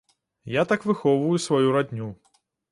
Я так выхоўваю сваю радню.